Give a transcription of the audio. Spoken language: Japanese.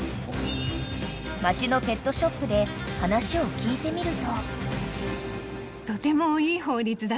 ［街のペットショップで話を聞いてみると］